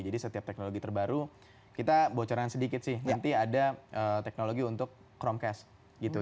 jadi setiap teknologi terbaru kita bocoran sedikit sih nanti ada teknologi untuk chromecast gitu